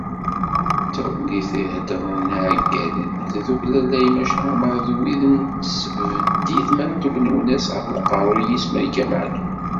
D tagnit i ḥedren yiɛeggalen, n tddukkla Laymac Aɛmaṛ d wid n tesbeddit Matub Lwennas, ɣef uqerru-is Malika Matub.